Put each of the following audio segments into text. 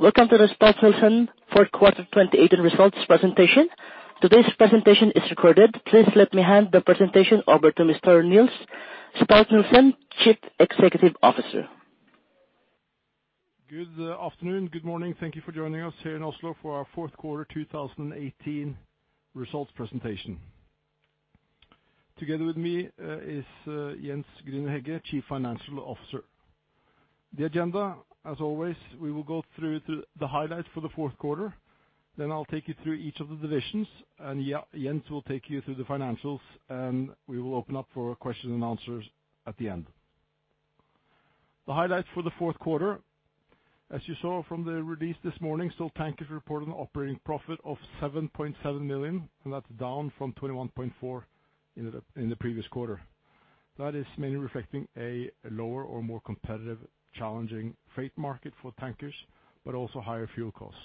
Welcome to the Stolt-Nielsen Fourth Quarter 2018 Results presentation. Today's presentation is recorded. Please let me hand the presentation over to Mr. Niels Stolt-Nielsen, Chief Executive Officer. Good afternoon, good morning, and thank you for joining us here in Oslo for our fourth quarter 2018 results presentation. Together with me is Jens Grüner-Hegge, Chief Financial Officer. The agenda, as always, we will go through the highlights for the fourth quarter, then I will take you through each of the divisions, and Jens will take you through the financials, and we will open up for questions and answers at the end. The highlights for the fourth quarter, as you saw from the release this morning, Stolt Tankers reported an operating profit of $7.7 million, and that's down from $21.4 million in the previous quarter. That is mainly reflecting a lower or more competitive challenging freight market for tankers, but also higher fuel costs.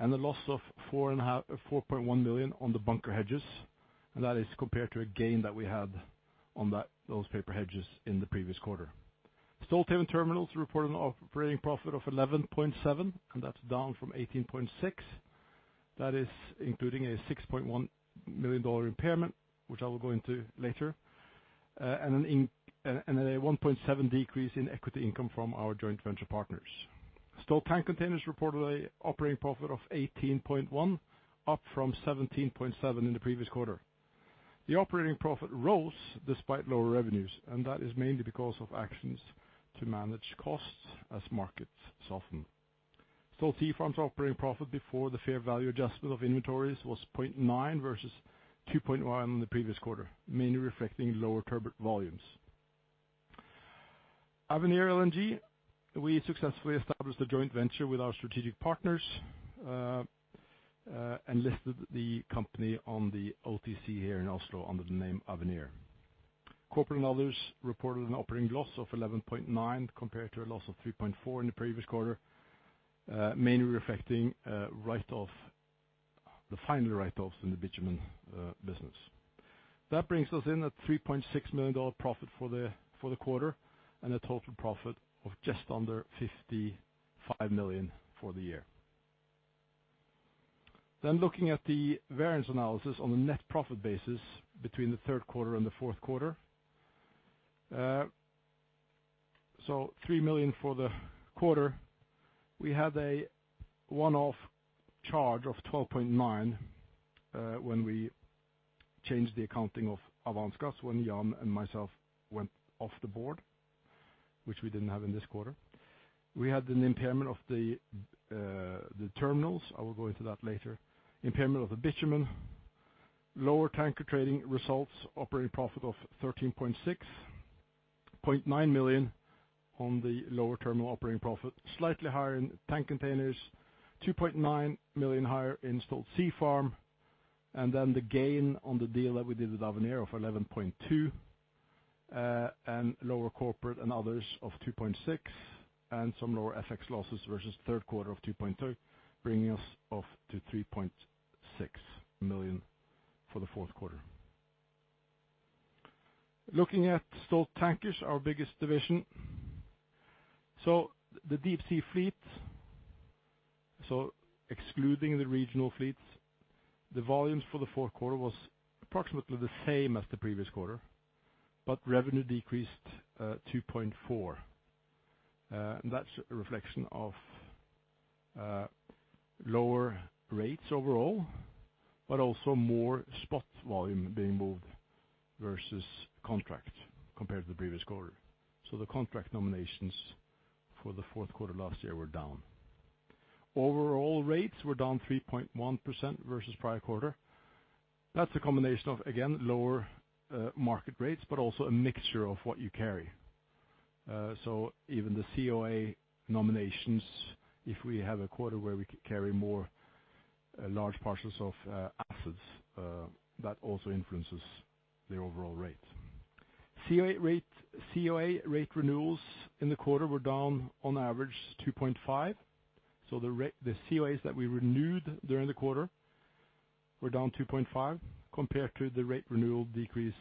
The loss of $4.1 million on the bunker hedges and that is compared to a gain that we had on those paper hedges in the previous quarter. Stolthaven Terminals reported an operating profit of $11.7 million, and that's down from $18.6 million. That is including a $6.1 million impairment, which I will go into later, and a $1.7 million decrease in equity income from our joint venture partners. Stolt Tank Containers reported an operating profit of $18.1 million, up from $17.7 million in the previous quarter. The operating profit rose despite lower revenues, and that is mainly because of actions to manage costs as markets soften. Stolt Sea Farm's operating profit before the fair value adjustment of inventories was $0.9 million versus $2.1 million in the previous quarter, mainly reflecting lower turbot volumes. Avenir LNG, we successfully established a joint venture with our strategic partners, and listed the company on the OTC here in Oslo under the name Avenir. Corporate and others reported an operating loss of $11.9 million compared to a loss of $3.4 million in the previous quarter, mainly reflecting the final write-offs in the bitumen business. This brings us in at $3.6 million profit for the quarter, and a total profit of just under $55 million for the year. Looking at the variance analysis on the net profit basis between the third quarter and the fourth quarter, so $3 million for the quarter. We had a one-off charge of $12.9 million when we changed the accounting of Avance Gas when Jens and myself went off the board, which we didn't have in this quarter. We had an impairment of the terminals. I will go into that later. Impairment of the bitumen, lower Stolt Tankers trading results, operating profit of $13.6 million, $0.9 million on the lower terminal operating profit, slightly higher in Stolt Tank Containers, $2.9 million higher in Stolt Sea Farm, and then the gain on the deal that we did with Avenir of $11.2 million, lower corporate and others of $2.6 million, and some lower FX losses versus third quarter of $2.2 million, bringing us off to $3.6 million for the fourth quarter. Looking at Stolt Tankers, our biggest division. The deep sea fleet, excluding the regional fleets, the volumes for the fourth quarter was approximately the same as the previous quarter, but revenue decreased 2.4%. That's a reflection of lower rates overall, but also more spot volume being moved versus contract compared to the previous quarter. The contract nominations for the fourth quarter last year were down. Overall rates were down 3.1% versus prior quarter. That is a combination of, again, lower market rates, but also a mixture of what you carry. Even the COA nominations, if we have a quarter where we carry more large parcels of acids, that also influences the overall rate. COA rate renewals in the quarter were down on average 2.5%. The COAs that we renewed during the quarter were down 2.5% compared to the rate renewal decrease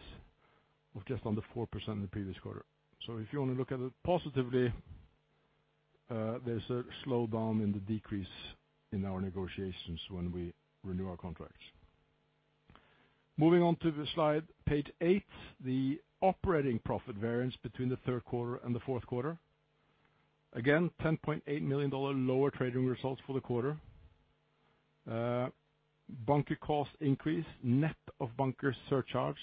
of just under 4% in the previous quarter. If you want to look at it positively, there is a slowdown in the decrease in our negotiations when we renew our contracts. Moving on to the slide, page eight, the operating profit variance between the third quarter and the fourth quarter. Again, $10.8 million lower trading results for the quarter. Bunker cost increase, net of bunker surcharge,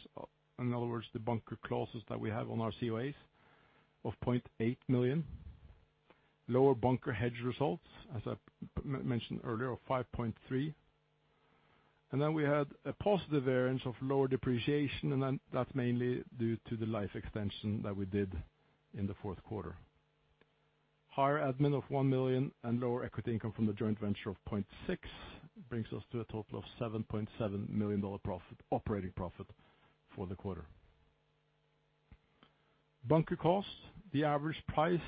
in other words, the bunker clauses that we have on our COAs, of $0.8 million. Lower bunker hedge results, as I mentioned earlier, of $5.3 million. We had a positive variance of lower depreciation, that is mainly due to the life extension that we did in the fourth quarter. Higher A&G of $1 million and lower equity income from the joint venture of $0.6 million brings us to a total of $7.7 million operating profit for the quarter. Bunker cost, the average price,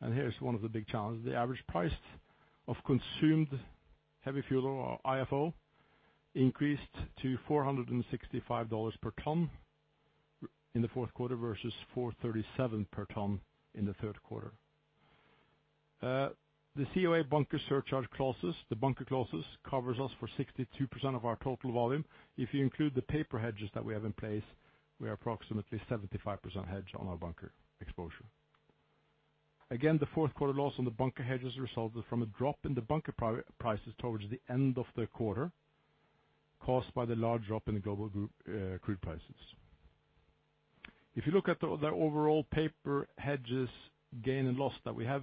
and here is one of the big challenges, the average price of consumed heavy fuel or IFO increased to $465 per ton in the fourth quarter versus $437 per ton in the third quarter. The COA bunker surcharge clauses, the bunker clauses, covers us for 62% of our total volume. If you include the paper hedges that we have in place, we are approximately 75% hedged on our bunker exposure. Again, the fourth quarter loss on the bunker hedges resulted from a drop in the bunker prices towards the end of the quarter, caused by the large drop in the global crude prices. If you look at the overall paper hedges gain and loss that we have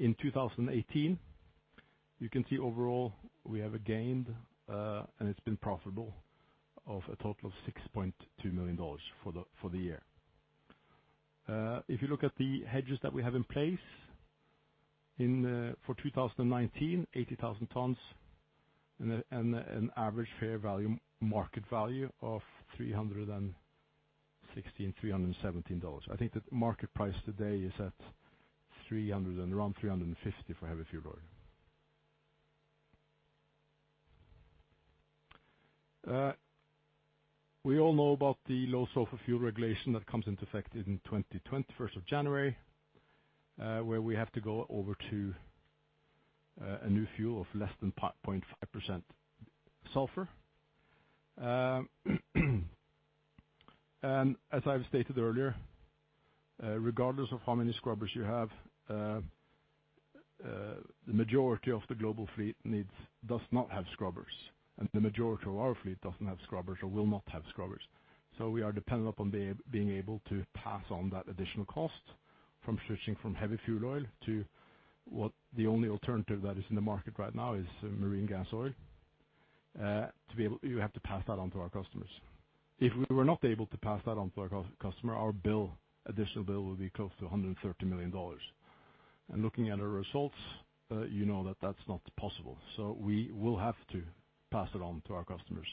in 2018, you can see overall we have gained, and it has been profitable, of a total of $6.2 million for the year. If you look at the hedges that we have in place for 2019, 80,000 tons and an average fair market value of $316, $317. I think the market price today is at around $350 for heavy fuel oil. We all know about the low sulfur fuel regulation that comes into effect in 2020, 1st of January, where we have to go over to a new fuel of less than 0.5% sulfur. As I've stated earlier, regardless of how many scrubbers you have, the majority of the global fleet does not have scrubbers, and the majority of our fleet doesn't have scrubbers or will not have scrubbers. We are dependent upon being able to pass on that additional cost from switching from heavy fuel oil to the only alternative that is in the market right now is marine gas oil. We have to pass that on to our customers. If we were not able to pass that on to our customer, our additional bill will be close to $130 million. Looking at our results, you know that that's not possible. We will have to pass it on to our customers.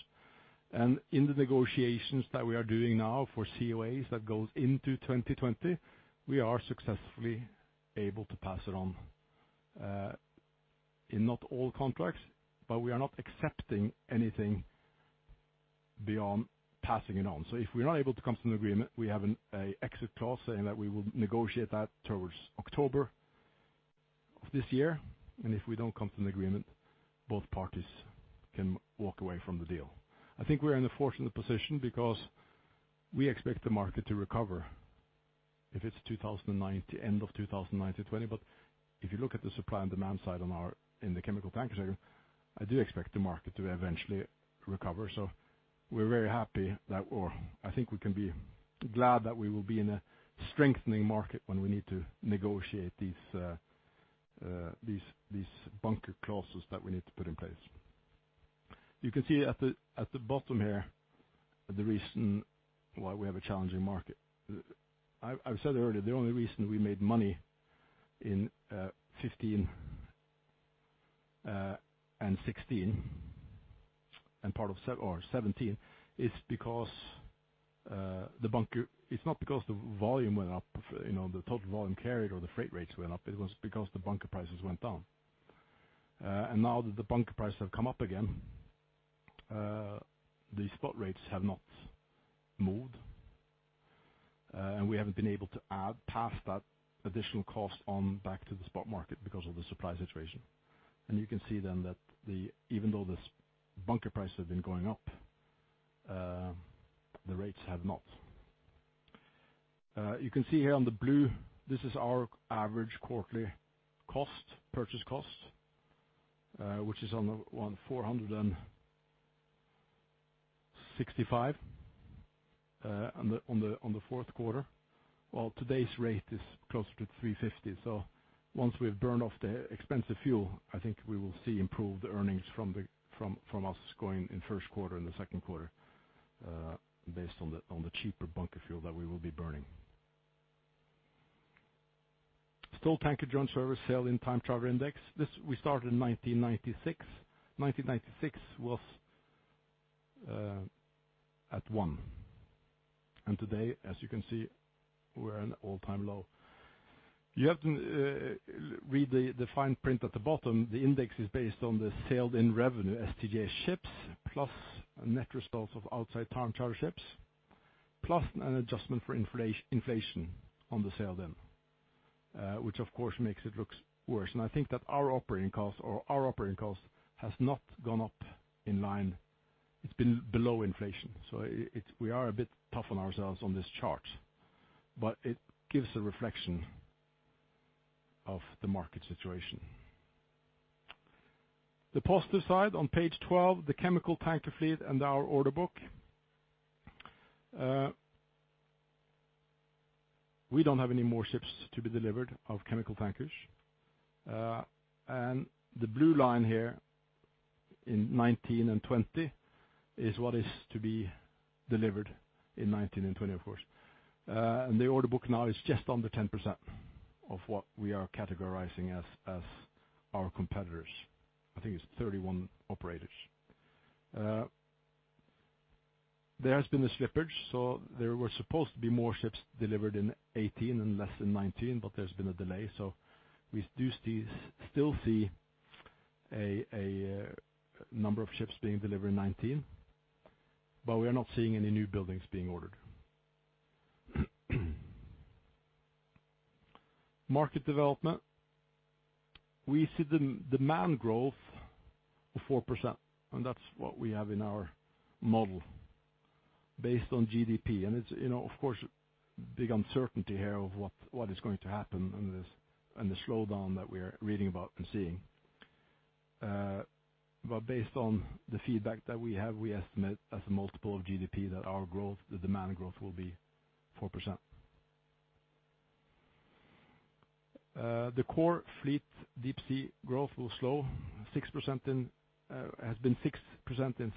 In the negotiations that we are doing now for COAs that goes into 2020, we are successfully able to pass it on, in not all contracts, but we are not accepting anything beyond passing it on. If we are not able to come to an agreement, we have an exit clause saying that we will negotiate that towards October of this year, and if we don't come to an agreement, both parties can walk away from the deal. I think we are in a fortunate position because we expect the market to recover. If it's end of 2019, 2020, but if you look at the supply and demand side in the chemical tanker segment, I do expect the market to eventually recover. I think we can be glad that we will be in a strengthening market when we need to negotiate these bunker clauses that we need to put in place. You can see at the bottom here, the reason why we have a challenging market. I've said it earlier, the only reason we made money in 2015 and 2016 and part of 2017, it's not because the volume went up, the total volume carried or the freight rates went up. It was because the bunker prices went down. Now that the bunker prices have come up again, the spot rates have not moved. We haven't been able to pass that additional cost on back to the spot market because of the supply situation. You can see then that even though the bunker prices have been going up, the rates have not. You can see here on the blue, this is our average quarterly purchase cost, which is on $465 on the fourth quarter. While today's rate is closer to $350. Once we've burned off the expensive fuel, I think we will see improved earnings from us going in first quarter and the second quarter, based on the cheaper bunker fuel that we will be burning. Stolt Tankers Joint Service Sailed-In Time Charter Index, this, we started in 1996. 1996 was at one. Today, as you can see, we are in an all-time low. You have to read the fine print at the bottom. The index is based on the sailed-in revenue, STJ Ships, plus net results of outside time charter ships, plus an adjustment for inflation on the sailed-in, which of course makes it looks worse. I think that our operating cost has not gone up in line. It has been below inflation. We are a bit tough on ourselves on this chart, but it gives a reflection of the market situation. The poster side on page 12, the chemical tanker fleet and our order book, we do not have any more ships to be delivered of chemical tankers. The blue line here in 2019 and 2020 is what is to be delivered in 2019 and 2020, of course, and the order book now is just under 10% of what we are categorizing as our competitors. I think it is 31 operators. There has been a slippage, there were supposed to be more ships delivered in 2018 and less in 2019, but there has been a delay. We do still see a number of ships being delivered in 2019, but we are not seeing any new buildings being ordered. Market development, we see demand growth of 4%, and that is what we have in our model based on GDP. Of course, big uncertainty here of what is going to happen and the slowdown that we are reading about and seeing. Based on the feedback that we have, we estimate as a multiple of GDP that our growth, the demand growth, will be 4%. The core fleet deep sea growth will slow, has been 6% in 2017-2019,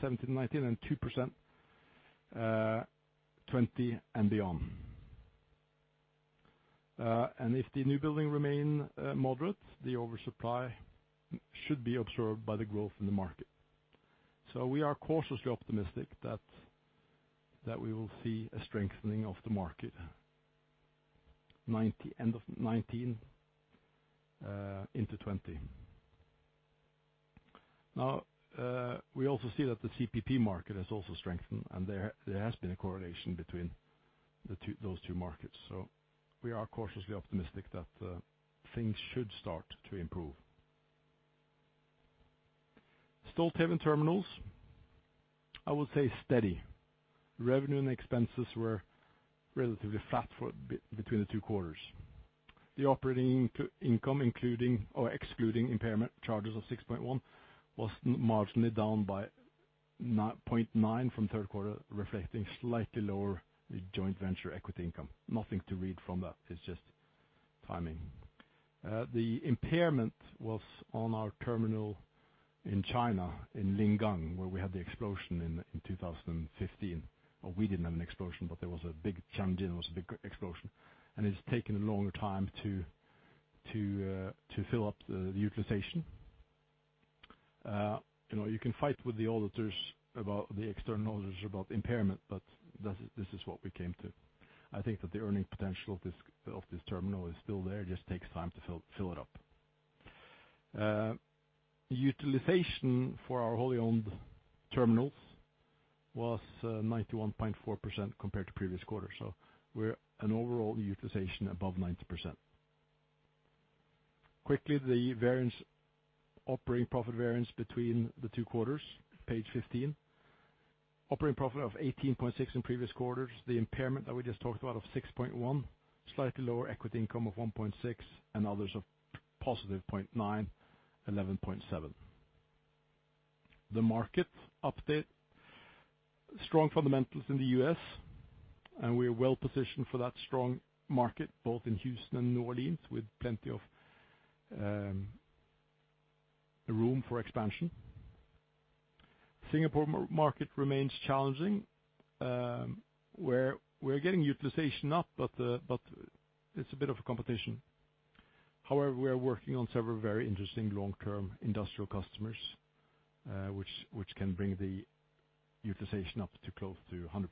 and 2%, 2020 and beyond. If the new building remain moderate, the oversupply should be absorbed by the growth in the market. We are cautiously optimistic that we will see a strengthening of the market end of 2019 into 2020. We also see that the CPP market has also strengthened, there has been a correlation between those two markets. We are cautiously optimistic that things should start to improve. Stolthaven Terminals, I would say steady. Revenue and expenses were relatively flat between the two quarters. The operating income including or excluding impairment charges of $6.1 was marginally down by $9.9 from third quarter, reflecting slightly lower joint venture equity income, nothing to read from that, it is just timing. The impairment was on our terminal in China, in Lingang, where we had the explosion in 2015. We did not have an explosion, but there was a big, Tianjin was a big explosion. It has taken a longer time to fill up the utilization. You can fight with the external auditors about impairment, but this is what we came to. I think that the earning potential of this terminal is still there. It just takes time to fill it up. Utilization for our wholly owned terminals was 91.4% compared to previous quarter. An overall utilization above 90%. Quickly, the operating profit variance between the two quarters, page 15. Operating profit of $18.6 in previous quarters. The impairment that we just talked about, a $6.1, slightly lower equity income of $1.6, and others of $+0.9, $11.7. The market update, strong fundamentals in the U.S., we are well positioned for that strong market, both in Houston and New Orleans, with plenty of room for expansion. Singapore market remains challenging. We are getting utilization up, but it is a bit of a competition however, we are working on several very interesting long-term industrial customers, which can bring the utilization up to close to 100%.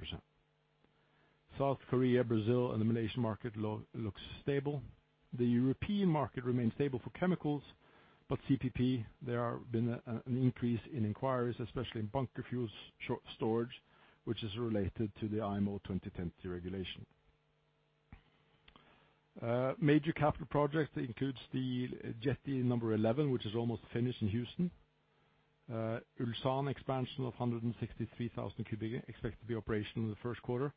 South Korea, Brazil, and the Malaysian market looks stable. The European market remains stable for chemicals, but CPP, there are been an increase in inquiries, especially in bunker fuels storage, which is related to the IMO 2020 regulation. Major capital project includes the Jetty number 11, which is almost finished in Houston. Ulsan expansion of 163,000 cu, expected to be operational in the first quarter.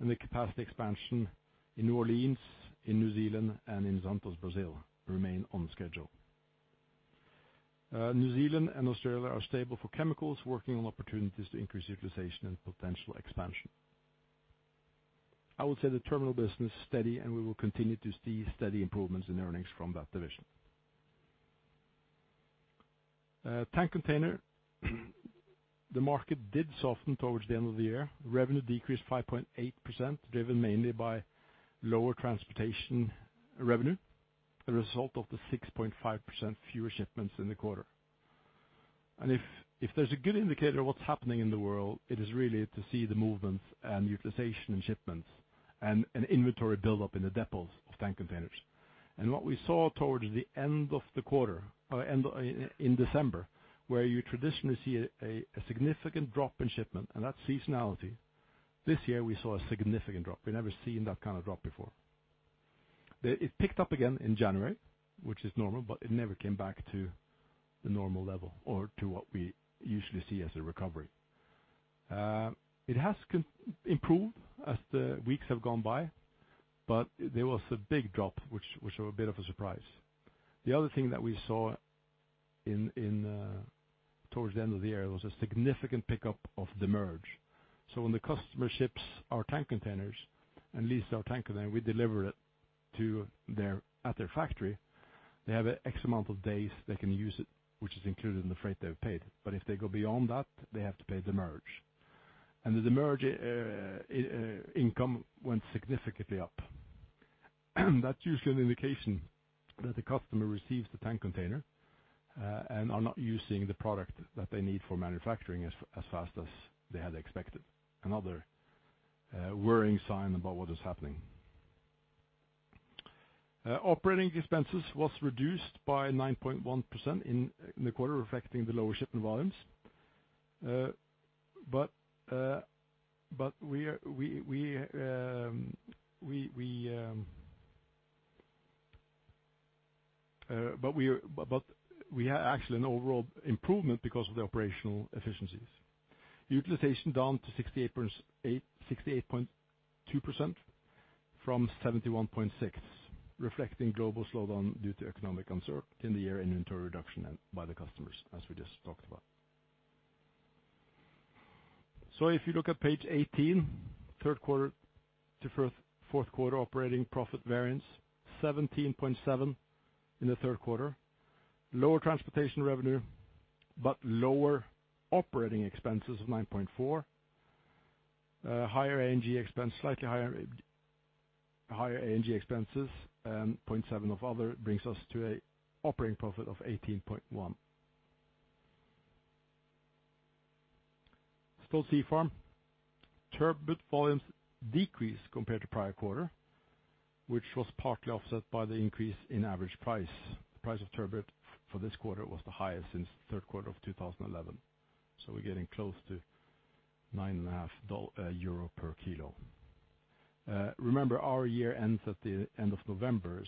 The capacity expansion in New Orleans, in New Zealand, and in Santos, Brazil, remain on schedule. New Zealand and Australia are stable for chemicals, working on opportunities to increase utilization and potential expansion. I would say the terminal business is steady, and we will continue to see steady improvements in earnings from that division. Tank container, the market did soften towards the end of the year. Revenue decreased 5.8%, driven mainly by lower transportation revenue, a result of the 6.5% fewer shipments in the quarter, and if there's a good indicator of what's happening in the world, it is really to see the movements and utilization and shipments and an inventory buildup in the depots of tank containers. What we saw towards the end of the quarter, in December, where you traditionally see a significant drop in shipment and that seasonality, this year, we saw a significant drop. We never seen that kind of drop before. It picked up again in January, which is normal, but it never came back to the normal level or to what we usually see as a recovery. It has improved as the weeks have gone by, but there was a big drop, which was a bit of a surprise. The other thing that we saw towards the end of the year was a significant pickup of demurrage. When the customer ships, our tank containers, and lease our tank container, we deliver it at their factory. They have X amount of days they can use it, which is included in the freight they have paid, but if they go beyond that, they have to pay demurrage. The demurrage income went significantly up. That's usually an indication that the customer receives the tank container, and are not using the product that they need for manufacturing as fast as they had expected, another worrying sign about what is happening. Operating expenses was reduced by 9.1% in the quarter, reflecting the lower shipping volumes. We had actually an overall improvement because of the operational efficiencies. Utilization down to 68.2% from 71.6%, reflecting global slowdown due to economic uncertainty in the year inventory reduction and by the customers, as we just talked about. If you look at page 18, third quarter to fourth quarter operating profit variance, $17.7 in the third quarter. Lower transportation revenue, but lower operating expenses of $9.4. Slightly higher A&G expenses, 0.7 of other brings us to a operating profit of $18.1. Stolt Sea Farm, turbot volumes decreased compared to prior quarter, which was partly offset by the increase in average price. The price of turbot for this quarter was the highest since the third quarter of 2011. We're getting close to 9.50 euro/kg. Remember, our year ends at the end of November,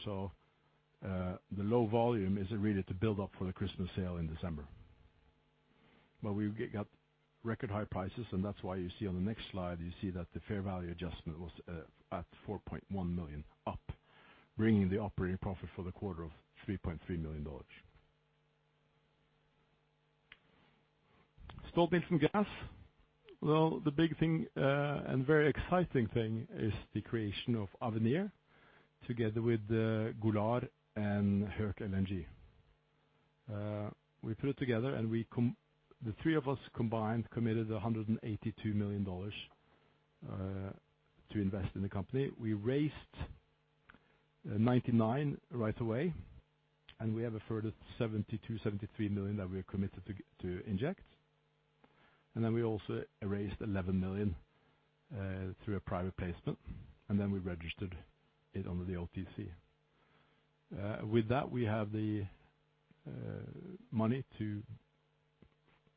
the low volume is really to build up for the Christmas sale in December. We got record high prices, and that's why you see on the next slide, you see that the fair value adjustment was at $4.1 million up, bringing the operating profit for the quarter of $3.3 million. Stolt-Nielsen Gas, the big thing, and very exciting thing is the creation of Avenir together with Golar and Höegh LNG. We put it together and the three of us combined committed $182 million to invest in the company. We raised $99 million right away, and we have a further $72 million to $73 million that we are committed to inject, and we also raised $11 million through a private placement, and then we registered it under the OTC. With that we have the money to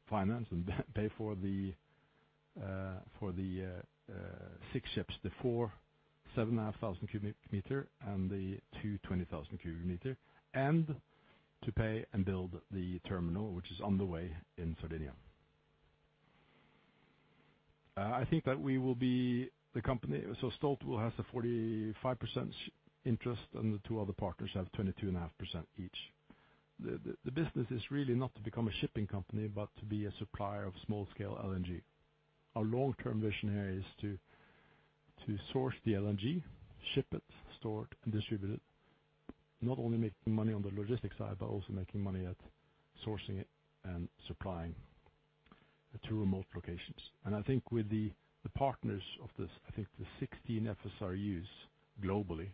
finance and pay for the six ships, the four 7,500 m3, and the two 20,000 m3, and to pay and build the terminal, which is on the way in Sardinia. I think that we will be the company, so Stolt will have the 45% interest, and the two other partners have 22.5% each. The business is really not to become a shipping company, but to be a supplier of small-scale LNG. Our long-term visionary is to source the LNG, ship it, store it, and distribute it. Not only making money on the logistics side, but also making money at sourcing it and supplying to remote locations. I think with the partners of this, the 16 FSRUs globally,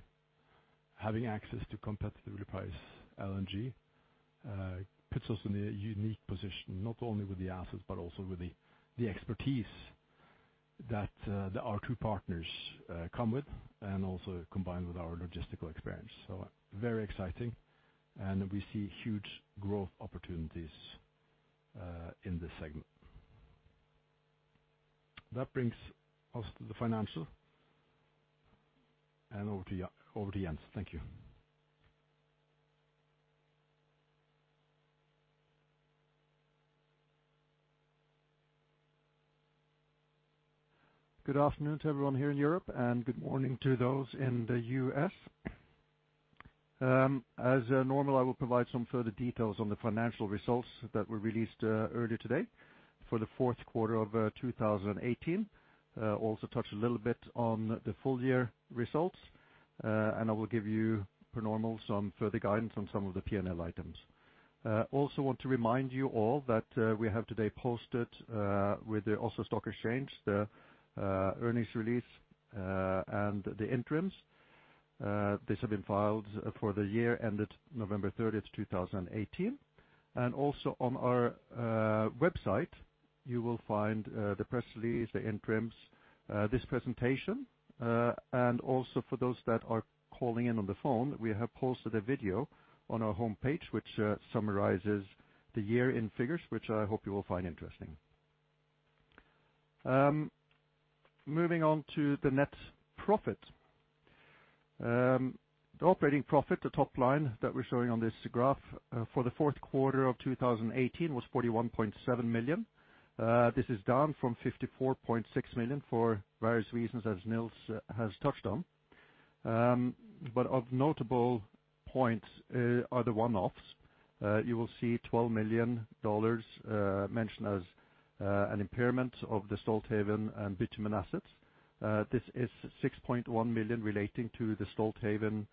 having access to competitively priced LNG, puts us in a unique position, not only with the assets, but also with the expertise that our two partners come with and also combined with our logistical experience, so very exciting, and we see huge growth opportunities in this segment. That brings us to the financial and over to Jens. Thank you. Good afternoon to everyone here in Europe and good morning to those in the U.S. As normal, I will provide some further details on the financial results that were released earlier today for the fourth quarter of 2018, also touch a little bit on the full year results, and I will give you, per normal, some further guidance on some of the P&L items. I also want to remind you all that we have today posted with the Oslo Stock Exchange, the earnings release, and the interims. This have been filed for the year ended November 30 of 2018. Also on our website, you will find the press release, the interims, this presentation, and also for those that are calling in on the phone, we have posted a video on our homepage, which summarizes the year in figures, which I hope you will find interesting. Moving on to the net profit, the operating profit, the top line that we're showing on this graph for the fourth quarter of 2018 was $41.7 million. This is down from $54.6 million for various reasons, as Niels has touched on, but of notable points are the one-offs. You will see $12 million mentioned as an impairment of the Stolthaven and bitumen assets. This is $6.1 million relating to the Stolthaven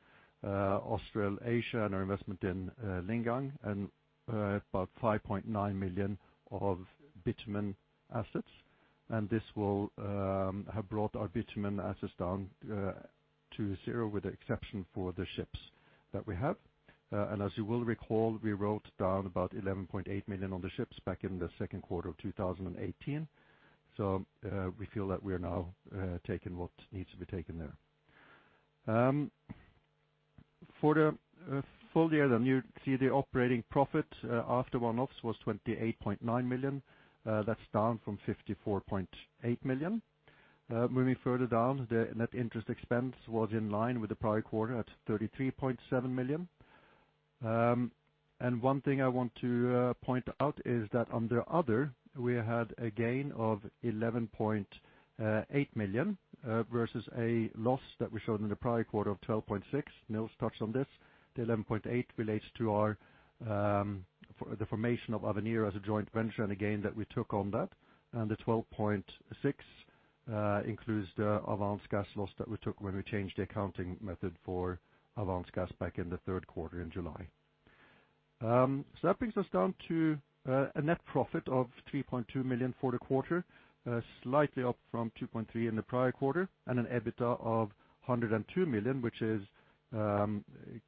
Australasia, and our investment in Lingang, and about $5.9 million of bitumen assets. This will have brought our bitumen assets down to zero, with the exception for the ships that we have. As you will recall, we wrote down about $11.8 million on the ships back in the second quarter of 2018. We feel that we are now taking what needs to be taken there. For the full year, you see the operating profit after one-offs was $28.9 million. That's down from $54.8 million. Moving further down, the net interest expense was in line with the prior quarter at $33.7 million. One thing I want to point out is that under "other," we had a gain of $11.8 million versus a loss that we showed in the prior quarter of $12.6 million. Niels touched on this. The $11.8 million relates to the formation of Avenir as a joint venture and a gain that we took on that, and the $12.6 million includes the Avance Gas loss that we took when we changed the accounting method for Avance Gas back in the third quarter in July. That brings us down to a net profit of $3.2 million for the quarter, slightly up from $2.3 million in the prior quarter, and an EBITDA of $102 million, which is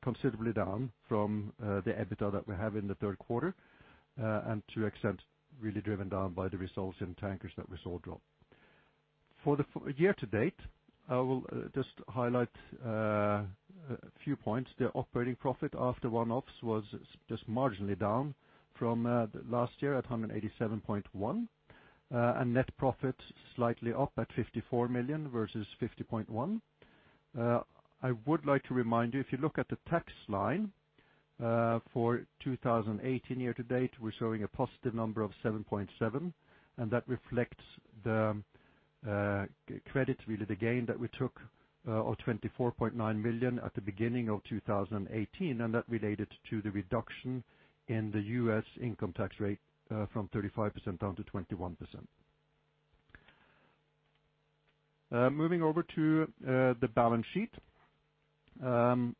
considerably down from the EBITDA that we have in the third quarter, and to an extent really driven down by the results in Tankers that we saw drop. For the year-to-date, I will just highlight a few points. The operating profit after one-offs was just marginally down from last year at $187.1 million, and net profit slightly up at $54 million versus $50.1 million. I would like to remind you, if you look at the tax line for 2018 year-to-date, we're showing a positive number of $7.7 million. That reflects the credit, really the gain that we took of $24.9 million at the beginning of 2018. That related to the reduction in the U.S. income tax rate from 35% down to 21%. Moving over to the balance sheet. I'm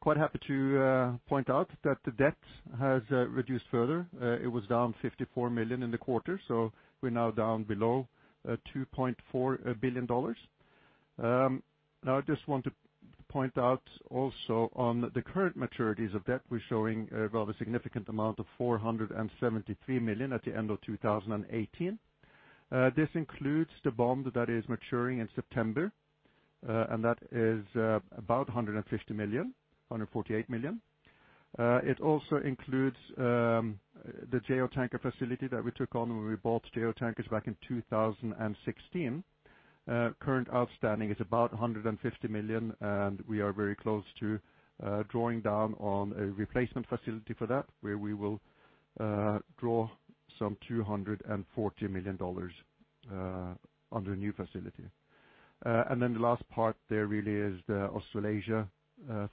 quite happy to point out that the debt has reduced further. It was down $54 million in the quarter. We're now down below $2.4 billion. Now I just want to point out also on the current maturities of debt, we're showing a rather significant amount of $473 million at the end of 2018. This includes the bond that is maturing in September, and that is about $150 million, $148 million. It also includes the Jo Tankers facility that we took on when we bought Jo Tankers back in 2016. Current outstanding is about $150 million. We are very close to drawing down on a replacement facility for that, where we will draw some $240 million under a new facility. The last part there really is the Australasia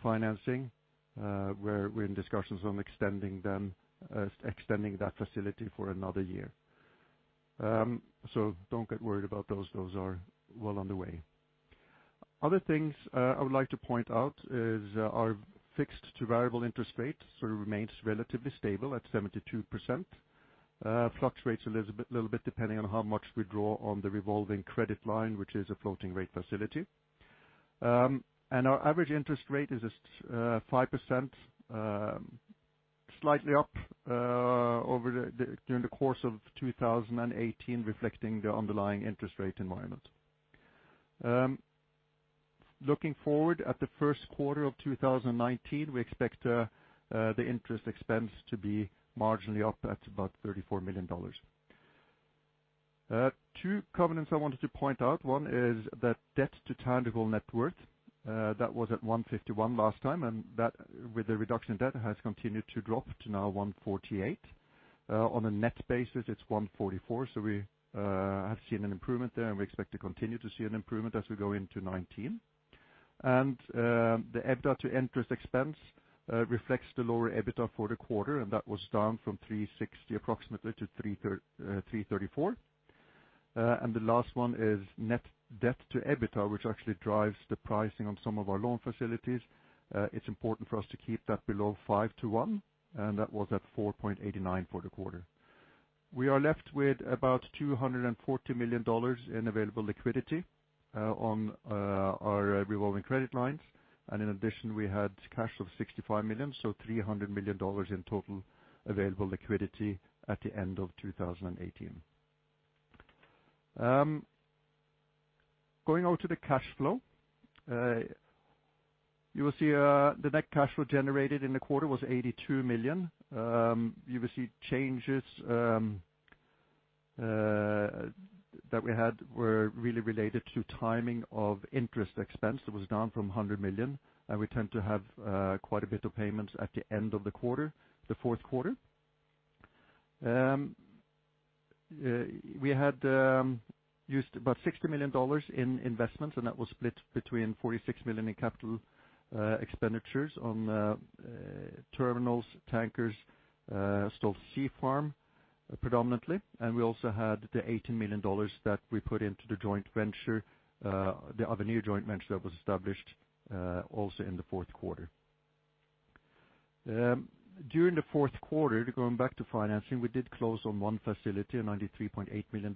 financing, where we are in discussions on extending that facility for another year, so don't get worried about those, those are well underway. Other things I would like to point out is our fixed to variable interest rate, so it remains relatively stable at 72%. It fluctuates a little bit depending on how much we draw on the revolving credit line, which is a floating rate facility. Our average interest rate is at 5%, slightly up during the course of 2018, reflecting the underlying interest rate environment. Looking forward at the first quarter of 2019, we expect the interest expense to be marginally up at about $34 million. Two covenants I wanted to point out. One is the debt to tangible net worth. That was at 151 last time, and that with the reduction in debt has continued to drop to now 148. On a net basis, it is 144. We have seen an improvement there and we expect to continue to see an improvement as we go into 2019. The EBITDA to interest expense reflects the lower EBITDA for the quarter, and that was down from 360 approximately to 334. The last one is net debt to EBITDA, which actually drives the pricing on some of our loan facilities. It is important for us to keep that below five to one, and that was at 4.89 for the quarter. We are left with about $240 million in available liquidity on our revolving credit lines. In addition, we had cash of $65 million, so $300 million in total available liquidity at the end of 2018. Going on to the cash flow, you will see the net cash flow generated in the quarter was $82 million. You will see changes that we had were really related to timing of interest expense, that was down from $100 million, and we tend to have quite a bit of payments at the end of the quarter, the fourth quarter. We had used about $60 million in investments, and that was split between $46 million in capital expenditures on terminals, tankers, Stolt Sea Farm predominantly. We also had the $18 million that we put into the joint venture, the Avenir joint venture that was established also in the fourth quarter. During the fourth quarter, going back to financing, we did close on one facility, a $93.8 million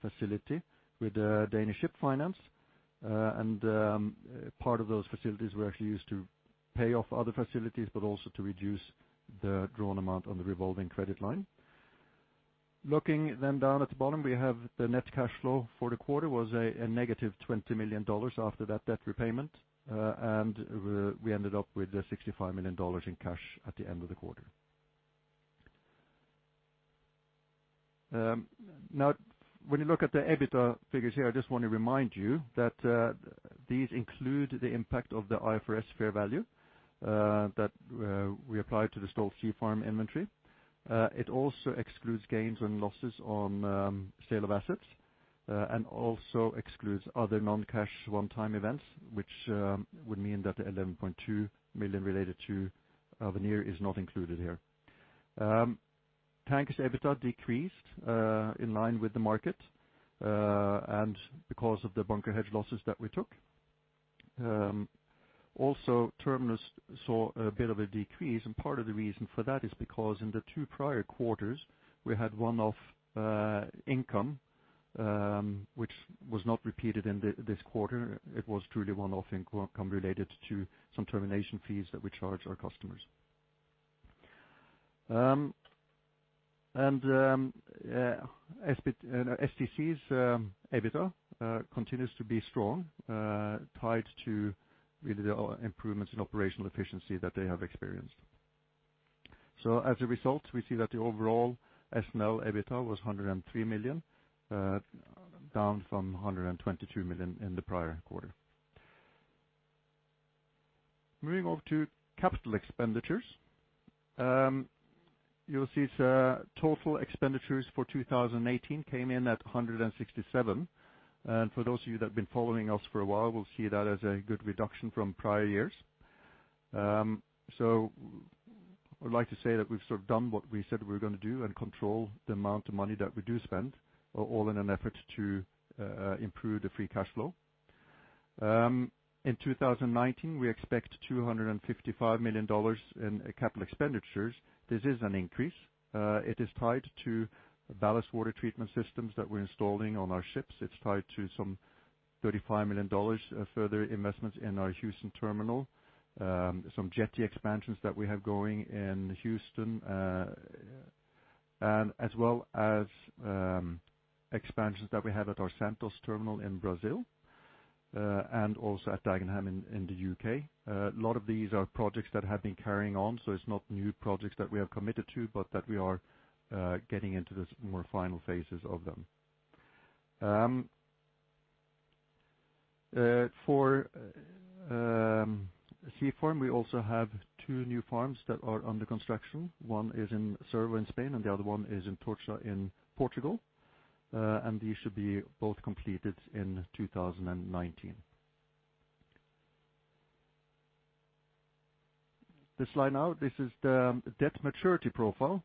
facility with Danish Ship Finance. Part of those facilities were actually used to pay off other facilities, but also to reduce the drawn amount on the revolving credit line. Looking down at the bottom, we have the net cash flow for the quarter was a negative $20 million after that debt repayment. We ended up with $65 million in cash at the end of the quarter. When you look at the EBITDA figures here, I just want to remind you that these include the impact of the IFRS fair value that we applied to the Stolt Sea Farm inventory. It also excludes gains and losses on sale of assets, and also excludes other non-cash one-time events, which would mean that the $11.2 million related to Avenir is not included here. Tankers' EBITDA decreased in line with the market and because of the bunker hedge losses that we took. Also, terminals saw a bit of a decrease and part of the reason for that is because in the two prior quarters, we had one-off income which was not repeated in this quarter. It was truly one-off income related to some termination fees that we charge our customers. STC's EBITDA continues to be strong, tied to really the improvements in operational efficiency that they have experienced. As a result, we see that the overall SNL EBITDA was $103 million, down from $122 million in the prior quarter. Moving over to capital expenditures, you will see total expenditures for 2018 came in at $167 million. For those of you that have been following us for a while, will see that as a good reduction from prior years. I would like to say that we've done what we said we were going to do and control the amount of money that we do spend, all in an effort to improve the free cash flow. In 2019, we expect $255 million in capital expenditures. This is an increase. It is tied to ballast water treatment systems that we are installing on our ships. It's tied to some $35 million further investments in our Houston terminal. Some Jetty expansions that we have going in Houston, as well as expansions that we have at our Santos terminal in Brazil and also at Dagenham in the U.K. A lot of these are projects that have been carrying on, so it's not new projects that we have committed to, but that we are getting into the more final phases of them. For the Sea Farm, we also have two new farms that are under construction, one is in Cervo in Spain, and the other one is in Tocha in Portugal. These should be both completed in 2019. This slide now, this is the debt maturity profile.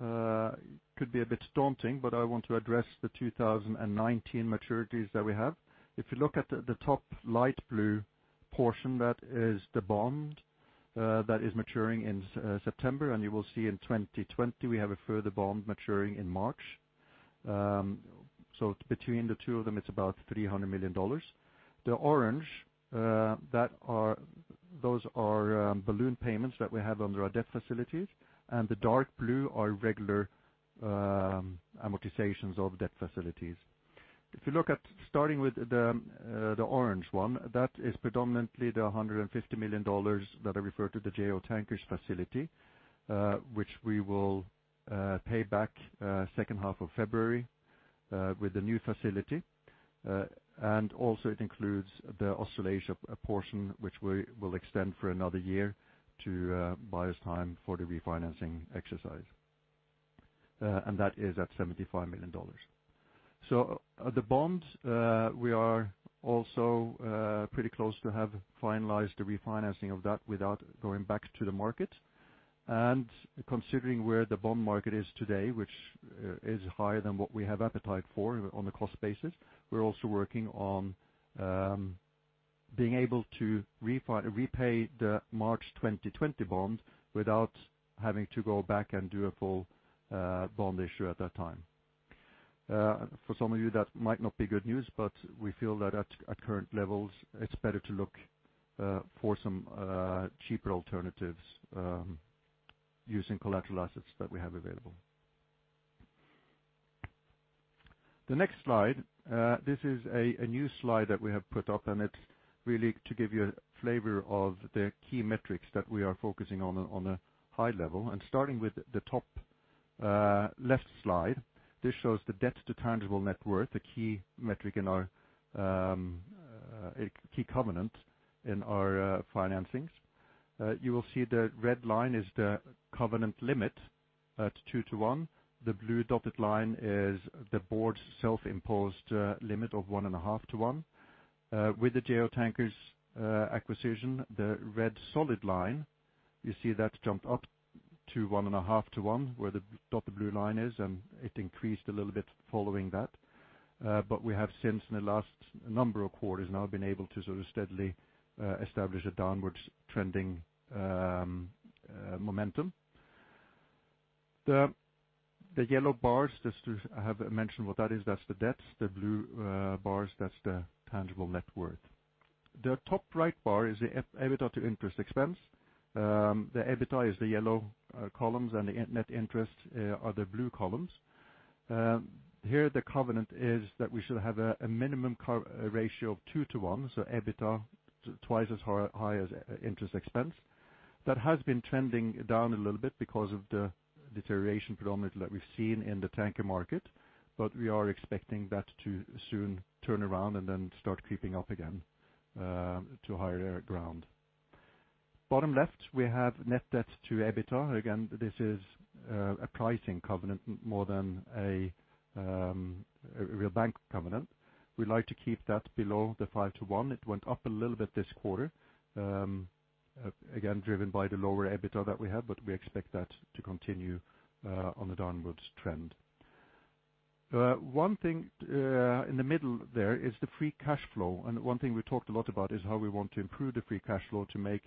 It could be a bit daunting, but I want to address the 2019 maturities that we have. If you look at the top light blue portion, that is the bond that is maturing in September. You will see in 2020, we have a further bond maturing in March. Between the two of them, it's about $300 million. The orange, those are balloon payments that we have under our debt facilities, and the dark blue are regular amortizations of debt facilities. If you look at starting with the orange one, that is predominantly the $150 million that I referred to the Jo Tankers facility, which we will pay back second half of February with the new facility. Also, it includes the Australasia portion, which we will extend for another year to buy us time for the refinancing exercise, and that is at $75 million. The bond we are also pretty close to have finalized the refinancing of that without going back to the market. Considering where the bond market is today, which is higher than what we have appetite for on a cost basis, we are also working on being able to repay the March 2020 bond without having to go back and do a full bond issue at that time. For some of you, that might not be good news, but we feel that at current levels, it's better to look for some cheaper alternatives using collateral assets that we have available. The next slide, this is a new slide that we have put up, and it's really to give you a flavor of the key metrics that we are focusing on a high level. Starting with the top left slide, this shows the debt to tangible net worth, a key covenant in our financings. You will see the red line is the covenant limit at 2 to 1. The blue dotted line is the board's self-imposed limit of 1.5 to 1. With the Jo Tankers acquisition, the red solid line, you see that jumped up to 1.5:1 where the dotted blue line is, and it increased a little bit following that. We have since, in the last number of quarters now, been able to steadily establish a downwards trending momentum. The yellow bars, I have mentioned what that is, that is the debt. The blue bars, that is the tangible net worth. The top right bar is the EBITDA to interest expense. The EBITDA is the yellow columns, and the net interest are the blue columns. Here the covenant is that we should have a minimum ratio of 2:1, so EBITDA twice as high as interest expense. That has been trending down a little bit because of the deterioration predominantly that we've seen in the tanker market, we are expecting that to soon turn around and start creeping up again to higher ground. Bottom left, we have net debt to EBITDA. Again, this is a pricing covenant more than a real bank covenant. We like to keep that below the five to one. It went up a little bit this quarter, again, driven by the lower EBITDA that we had, we expect that to continue on the downwards trend. One thing in the middle there is the free cash flow, one thing we talked a lot about is how we want to improve the free cash flow to make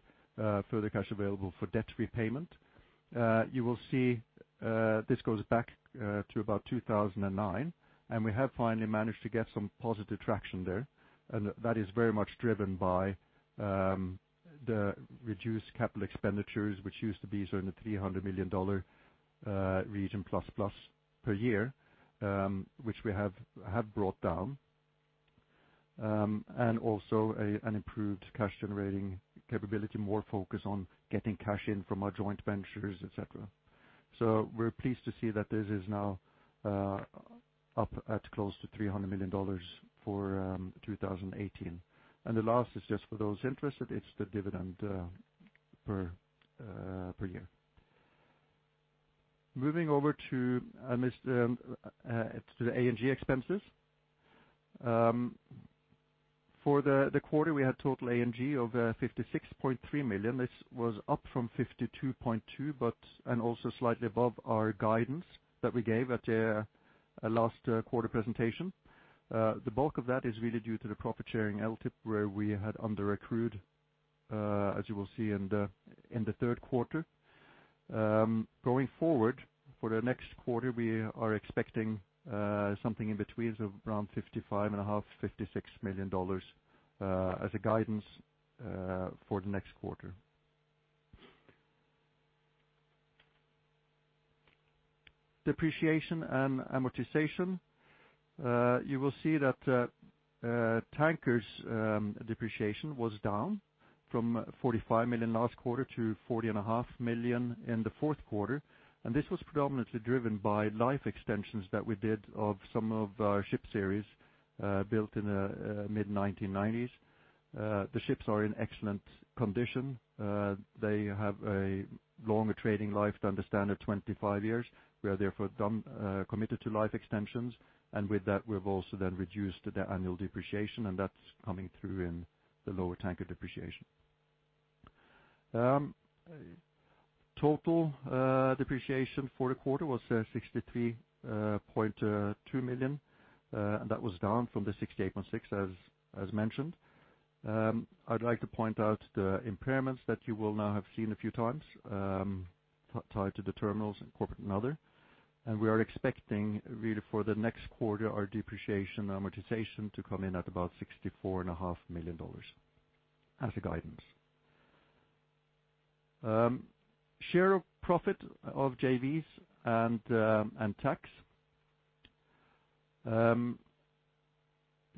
further cash available for debt repayment. You will see this goes back to about 2009, and we have finally managed to get some positive traction there that is very much driven by the reduced capital expenditures, which used to be in the $300 million region plus per year, which we have brought down. Also, an improved cash generating capability, more focus on getting cash in from our joint ventures, et cetera. We're pleased to see that this is now up at close to $300 million for 2018. The last is just for those interested, it's the dividend per year. Moving over to the A&G expenses, for the quarter, we had total A&G of $56.3 million. This was up from $52.2 million and also slightly above our guidance that we gave at the last quarter presentation. The bulk of that is really due to the profit-sharing LTIP, where we had under-accrued, as you will see in the third quarter. Going forward, for the next quarter, we are expecting something in between, so around $55.5 million, $56 million as a guidance for the next quarter. Depreciation and amortization, you will see that tankers depreciation was down from $45 million last quarter to $40.5 million in the fourth quarter. This was predominantly driven by life extensions that we did of some of our ship series built in the mid 1990s. The ships are in excellent condition. They have a longer trading life than the standard 25 years. We are therefore committed to life extensions. With that, we've also then reduced the annual depreciation, and that's coming through in the lower tanker depreciation. Total depreciation for the quarter was $63.2 million and that was down from the $68.6 million as mentioned. I'd like to point out the impairments that you will now have seen a few times, tied to the terminals in corporate and other. We are expecting really for the next quarter, our depreciation amortization to come in at about $64.5 million as a guidance. Share of profit of JVs and tax,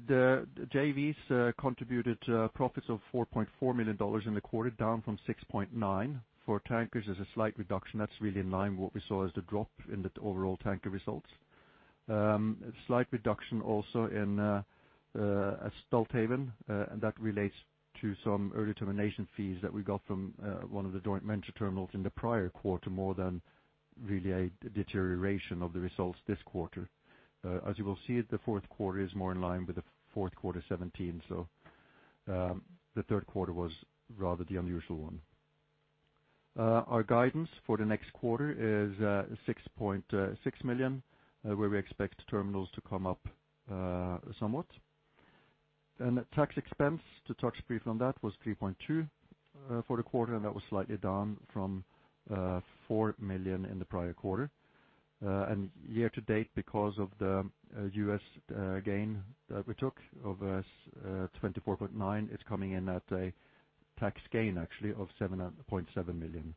the JVs contributed profits of $4.4 million in the quarter, down from $6.9 million for tankers is a slight reduction, and that's really in line with what we saw as the drop in the overall tanker results. A slight reduction also in Stolthaven, and that relates to some early termination fees that we got from one of the joint venture terminals in the prior quarter, more than really a deterioration of the results this quarter. As you will see, the fourth quarter is more in line with the fourth quarter 2017, so the third quarter was rather the unusual one. Our guidance for the next quarter is $6.6 million, where we expect terminals to come up somewhat. Tax expense, to touch briefly on that, was $3.2 million for the quarter, and that was slightly down from $4 million in the prior quarter. Year-to-date, because of the U.S. gain that we took of $24.9 million, it's coming in at a tax gain, actually, of $7.7 million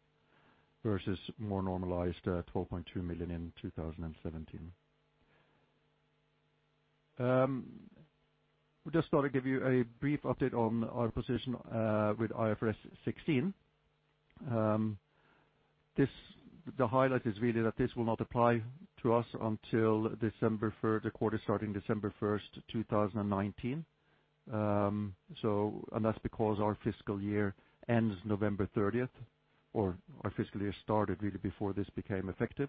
versus more normalized $12.2 million in 2017. We just thought to give you a brief update on our position with IFRS 16. The highlight is really that this will not apply to us until the quarter starting December 1st, 2019. That's because our fiscal year ends November 30th, or our fiscal year started really before this became effective.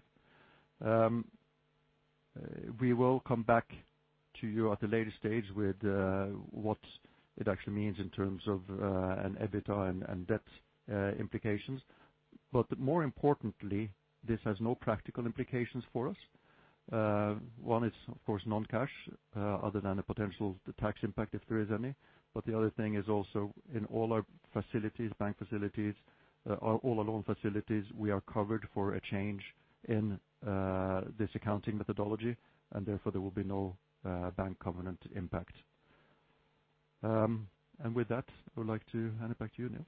We will come back to you at a later stage with what it actually means in terms of an EBITDA and debt implications. More importantly, this has no practical implications for us. One is, of course, non-cash other than the potential tax impact if there is any. The other thing is also in all our facilities, bank facilities, all our loan facilities, we are covered for a change in this accounting methodology and therefore there will be no bank covenant impact. With that, I would like to hand it back to you Niels.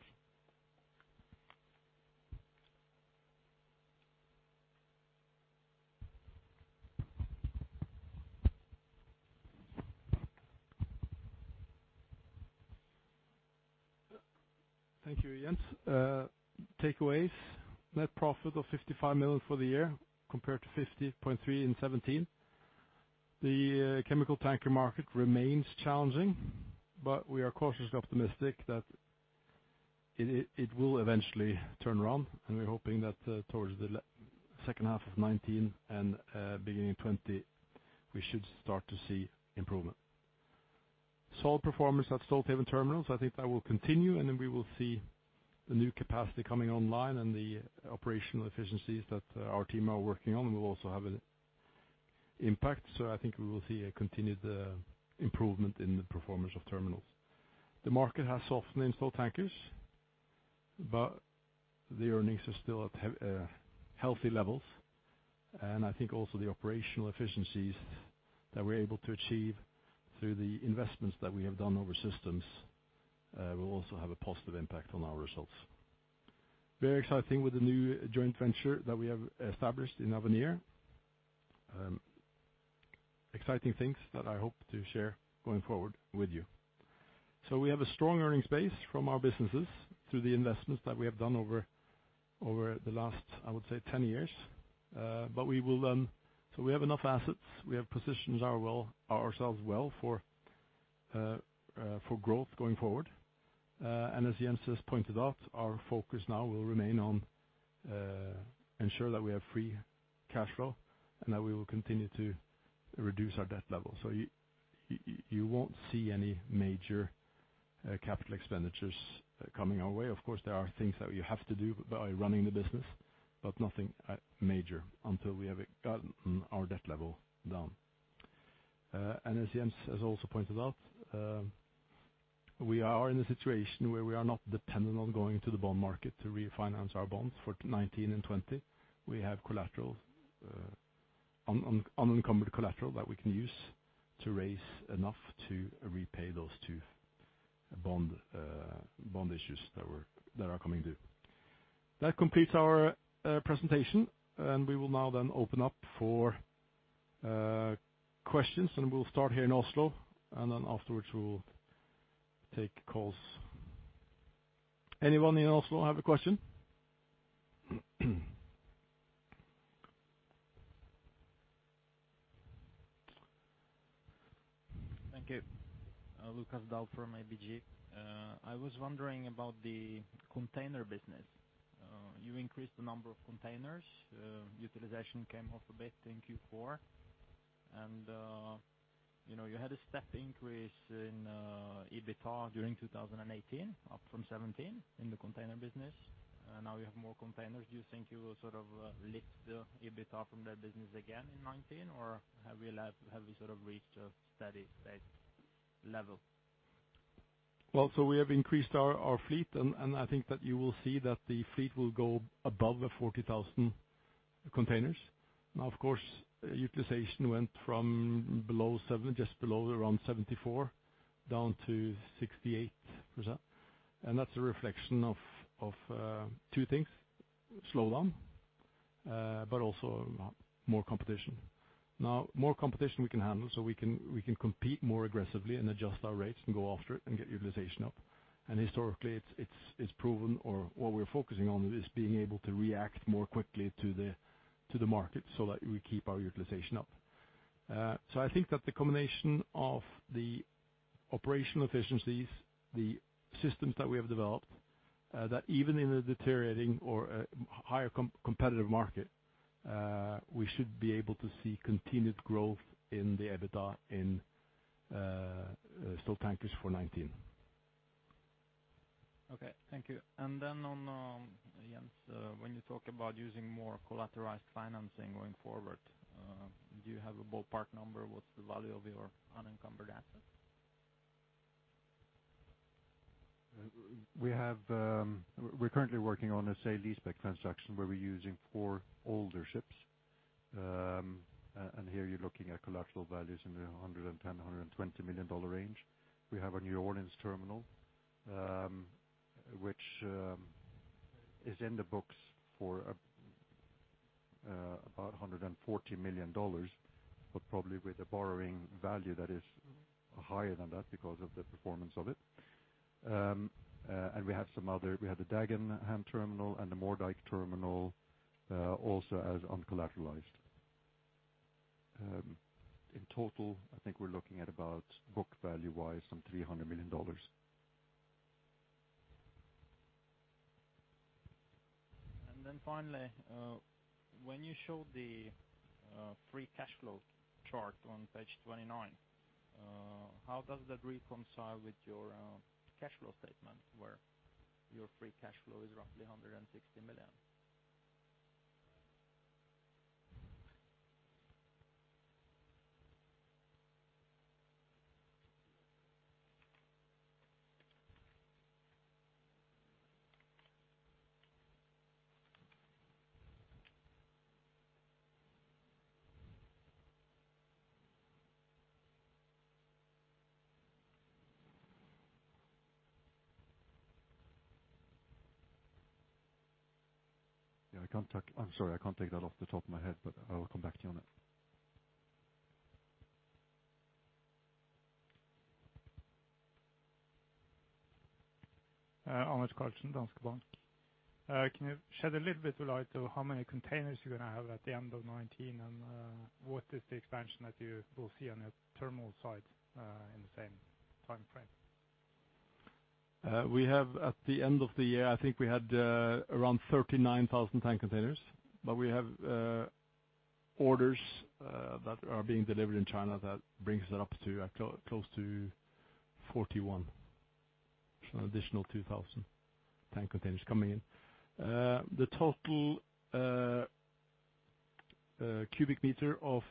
Thank you, Jens. Takeaways, net profit of $55 million for the year compared to $50.3 million in 2017. The chemical tanker market remains challenging, but we are cautiously optimistic that it will eventually turn around. We are hoping that towards the second half of 2019 and beginning of 2020, we should start to see improvement. Solid performance at Stolthaven Terminals, I think that will continue. We will see the new capacity coming online, and the operational efficiencies that our team are working on will, we also have an impact. I think we will see a continued improvement in the performance of terminals. The market has softened in Stolt Tankers, but the earnings are still at healthy levels. I think also the operational efficiencies that we are able to achieve through the investments that we have done over systems will also have a positive impact on our results. Very exciting with the new joint venture that we have established in Avenir, exciting things that I hope to share going forward with you. We have a strong earnings base from our businesses through the investments that we have done over the last, I would say, 10 years. We have enough assets. We have positioned ourselves well for growth going forward. As Jens has pointed out, our focus now will remain on ensuring that we have free cash flow and that we will continue to reduce our debt level. You won't see any major capital expenditures coming our way. Of course, there are things that you have to do by running the business, but nothing major until we have gotten our debt level down. As Jens has also pointed out, we are in a situation where we are not dependent on going to the bond market to refinance our bonds for 2019 and 2020. We have unencumbered collateral that we can use to raise enough to repay those two bond issues that are coming due. That completes our presentation. We will now then open up for questions. We will start here in Oslo, and then afterwards we will take calls. Anyone in Oslo have a question? Thank you. Lukas Daul from ABG. I was wondering about the container business. You increased the number of containers. Utilization came off a bit in Q4 and, you know, you had a step increase in EBITDA during 2018 up from 2017 in the container business. Now you have more containers. Do you think you will sort of lift the EBITDA from that business again in 2019, or have you sort of reached a steady state level? We have increased our fleet and I think that you will see that the fleet will go above the 40,000 containers and, of course, utilization went from just below around 74% down to 68%, and that's a reflection of two things, slowdown, but also more competition. Now more competition we can handle, so we can compete more aggressively and adjust our rates, and go after it and get utilization up. Historically, it's proven or what we are focusing on is being able to react more quickly to the market so that we keep our utilization up. I think that the combination of the operational efficiencies, the systems that we have developed, that even in a deteriorating or a higher competitive market we should be able to see continued growth in the EBITDA in Stolt Tankers for 2019. Okay, thank you, and then on, Jens, when you talk about using more collateralized financing going forward, do you have a ballpark number? What's the value of your unencumbered assets? We're currently working on a sale-leaseback transaction where we're using four older ships, and here you're looking at collateral values in the $110 million to $120 million range. We have a New Orleans terminal which is in the books for about $140 million, but probably with a borrowing value that is higher than that because of the performance of it. We have the Dagenham terminal and the Moerdijk terminal also as uncollateralized. In total, I think we're looking at about book value-wise, some $300 million. Finally, when you show the free cash flow chart on page 29, how does that reconcile with your cash flow statement where your free cash flow is roughly $160 million? Yeah, I'm sorry, I can't take that off the top of my head, but I will come back to you on it. Anders Karlsen, Danske Bank. Can you shed a little bit of light on how many containers you're going to have at the end of 2019, what is the expansion that you will see on the terminal side in the same time frame? At the end of the year, I think we had around 39,000 tank containers. We have orders that are being delivered in China that brings it up to close to 41,000 tank containers, so an additional 2,000 tank containers coming in. The total cubic meter of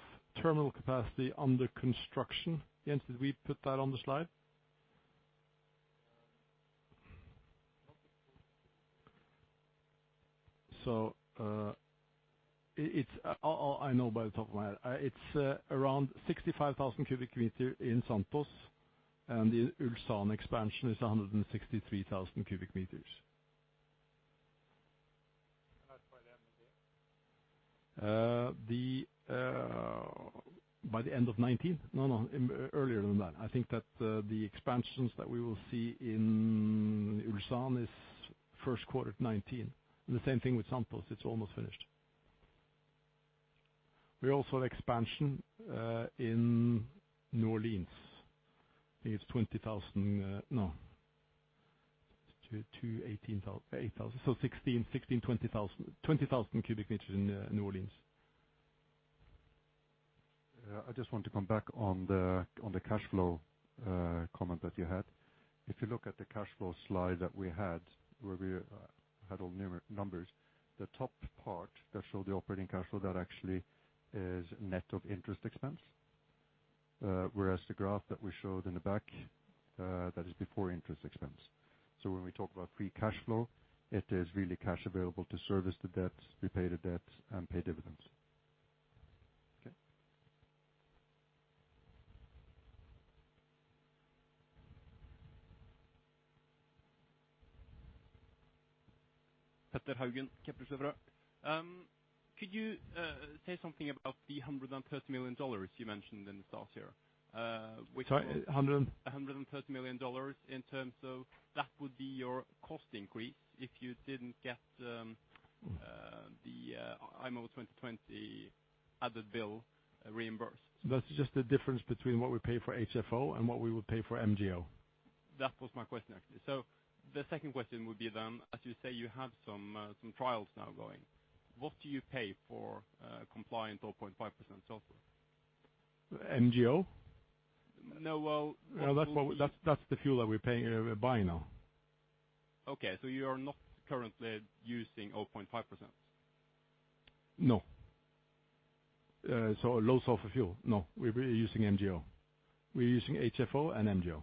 terminal capacity under construction, Jens, did we put that on the slide? I know by the top of my head. It's around 65,000 m3 in Santos, and the Ulsan expansion is 163,000 m3. That's by the end of the year? By the end of 2019? No, no, earlier than that. I think that the expansions that we will see in Ulsan is first quarter of 2019, and the same thing with Santos, it's almost finished. We also have expansion in New Orleans. I think it's 20,000. No, two 8,000, 8,000. So 16,000, 20,000 m3 in New Orleans. I just want to come back on the cash flow comment that you had. If you look at the cash flow slide that we had, where we had all numbers, the top part that showed the operating cash flow, that actually is net of interest expense. Whereas the graph that we showed in the back, that is before interest expense. When we talk about free cash flow, it is really cash available to service the debt, repay the debt, and pay dividends. Okay. Petter Haugen, Kepler Cheuvreux. Could you say something about the $130 million you mentioned in the start here? Sorry, 100? $130 million in terms of that would be your cost increase if you didn't get the IMO 2020 added bill reimbursed. That's just the difference between what we pay for HFO and what we would pay for MGO. That was my question, actually. The second question would be then, as you say, you have some trials now going, what do you pay for compliant 0.5% sulfur? MGO? No. That's the fuel that we're buying now. Okay. You are not currently using 0.5%? No. Low sulfur fuel. No, we're using MGO. We're using HFO and MGO.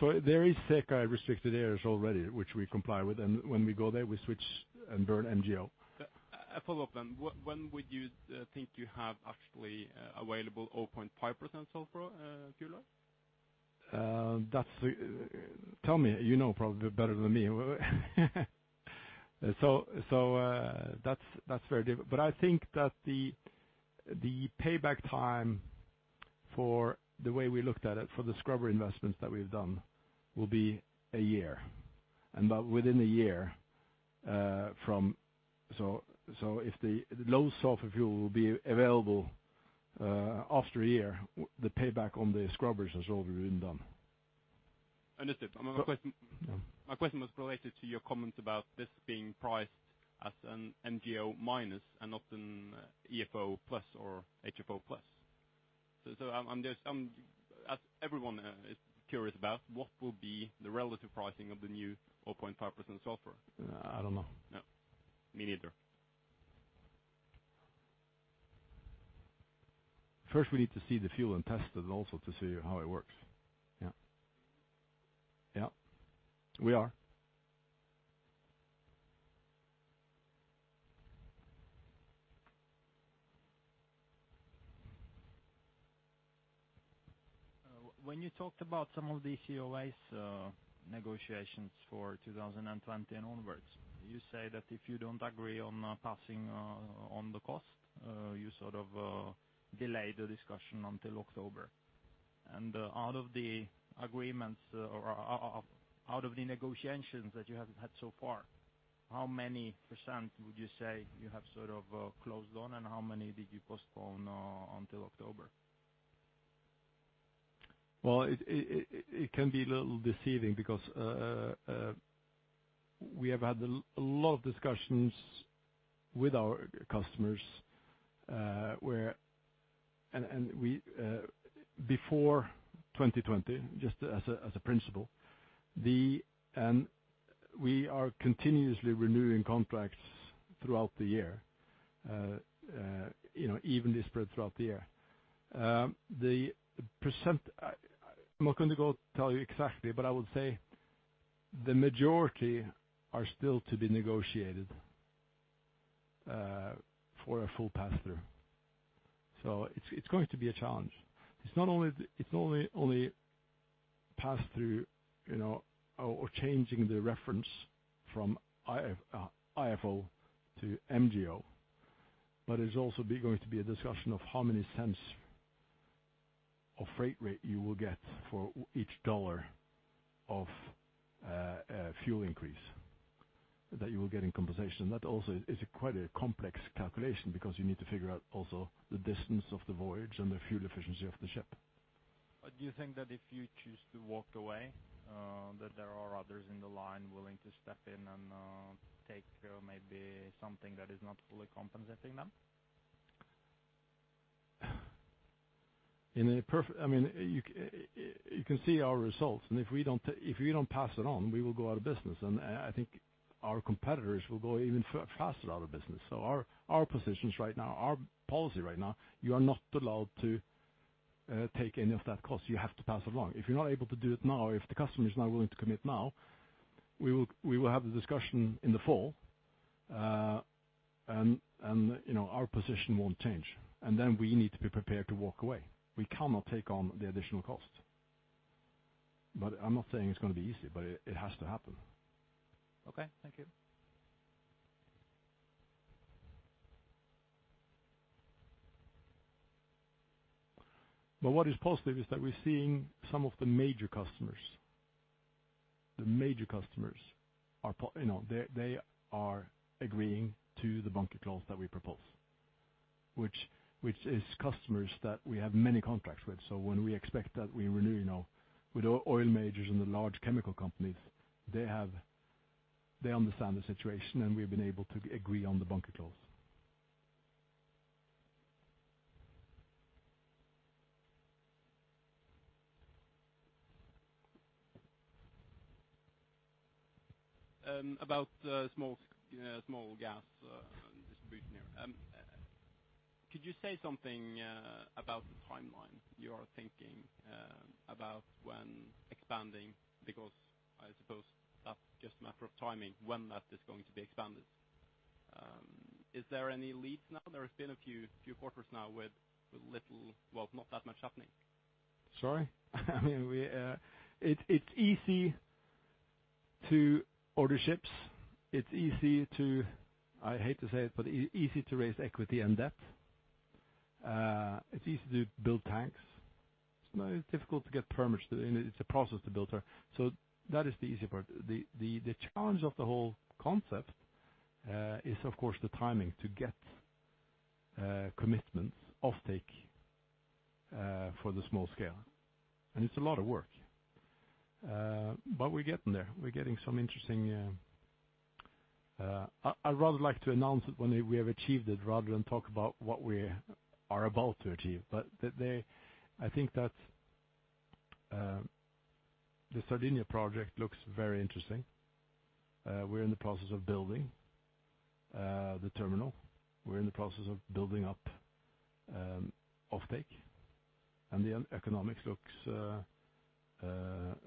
There is SECA restricted areas already, which we comply with, and when we go there, we switch and burn MGO. A follow-up, when would you think you have actually available 0.5% sulfur fuel oil? Tell me, you know probably better than me, so that's very different. I think that the payback time for the way we looked at it, for the scrubber investments that we've done, will be a year, that within a year, if the low sulfur fuel will be available after a year, the payback on the scrubbers is already been done. Understood, and my question was related to your comment about this being priced as an MGO minus, and not an IFO plus or HFO plus. As everyone is curious about, what will be the relative pricing of the new 0.5% sulfur? I don't know. No, me neither. First, we need to see the fuel and test it also to see how it works, yeah. Yeah, we are. When you talked about some of the COAs negotiations for 2020 and onwards, you said that if you don't agree on passing on the cost, you sort of delay the discussion until October. Out of the agreements or out of the negotiations that you have had so far, how many percent would you say you have closed on, and how many did you postpone until October? Well, it can be a little deceiving because we have had a lot of discussions with our customers before 2020, just as a principle, we are continuously renewing contracts throughout the year, you know, evenly spread throughout the year. I'm not going to tell you exactly, but I would say the majority are still to be negotiated for a full pass-through. It's going to be a challenge. It's not only pass-through, you know, or changing the reference from IFO to MGO, but it's also going to be a discussion of how many cents of freight rate you will get for each dollar of fuel increase that you will get in compensation. That also is quite a complex calculation because you need to figure out also the distance of the voyage and the fuel efficiency of the ship. Do you think that if you choose to walk away, that there are others in the line willing to step in and take maybe something that is not fully compensating them? You can see our results. If we don't pass it on, we will go out of business. I think our competitors will go even faster out of business. Our policy right now, you are not allowed to take any of that cost. You have to pass it along. If you're not able to do it now, if the customer is not willing to commit now, we will have the discussion in the fall. Our position won't change. We need to be prepared to walk away. We cannot take on the additional cost. I'm not saying it's going to be easy, but it has to happen. Okay. Thank you. What is positive is that we're seeing some of the major customers, the major customers, you know, they are agreeing to the bunker clause that we propose, which is customers that we have many contracts with. When we expect that we renew with oil majors and the large chemical companies, they understand the situation, and we have been able to agree on the bunker clause. About small gas distribution here, could you say something about the timeline you are thinking about when expanding? Because I suppose that's just a matter of timing when that is going to be expanded. Is there any leads now? There has been a few quarters now with not that much happening. Sorry? It's easy to order ships. It's easy to, I hate to say it, but easy to raise equity and debt. It's easy to build tanks. It's difficult to get permits. It's a process to build. That is the easy part. The challenge of the whole concept is, of course, the timing to get commitments off take for the small scale, and it's a lot of work. We're getting there. We're getting some interesting, I'd rather like to announce it when we have achieved it rather than talk about what we are about to achieve. I think that the Sardinia project looks very interesting. We are in the process of building the terminal. We are in the process of building up off take, and the economics looks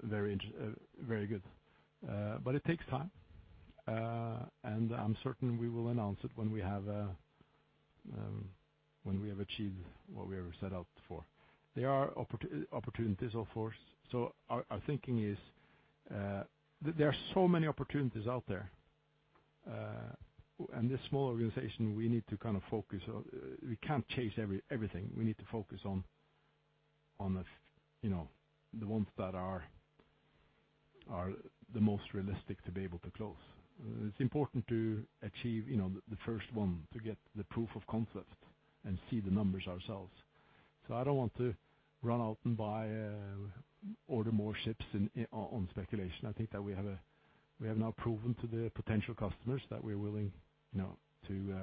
very good. It takes time, and I'm certain we will announce it when we have achieved what we have set out for. There are opportunities, of course. Our thinking is there are so many opportunities out there, and this small organization, we need to kind of focus. We can't chase everything. We need to focus on, you know, the ones that are the most realistic to be able to close. It's important to achieve the first one, to get the proof of concept and see the numbers ourselves. I don't want to run out and order more ships on speculation. I think that we have now proven to the potential customers that we are willing to